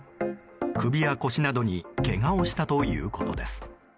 首や腰などにけがをしたということです。